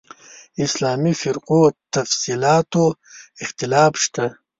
اسلامي فرقو تفصیلاتو اختلاف شته.